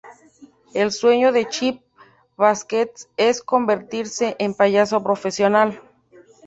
El sueño de Chip Baskets es convertirse en payaso profesional.